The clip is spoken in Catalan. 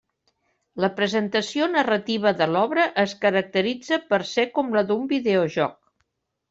La presentació narrativa de l'obra es caracteritza per ser com la d'un videojoc.